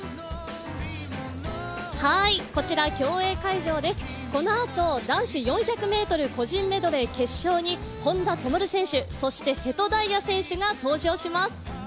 こちら競泳会場です、このあと男子４００ｍ個人メドレー決勝に本多灯選手、そして瀬戸大也選手が登場します。